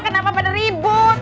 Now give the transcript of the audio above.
kenapa pada ribut